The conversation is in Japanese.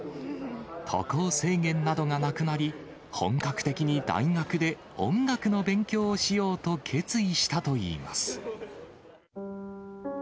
渡航制限などがなくなり、本格的に大学で音楽の勉強をしようと決意したといいます。